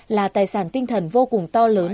là tài sản tinh thần vô cùng to lớn